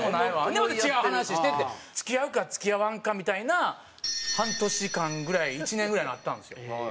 でまた違う話してって付き合うか付き合わんかみたいな半年間ぐらい１年ぐらいあったんですよ。